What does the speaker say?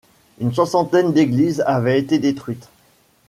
Une soixantaine d'églises avaient été détruites.